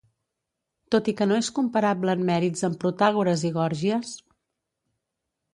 Tot i que no és comparable en mèrits amb Protàgores i Gòrgies,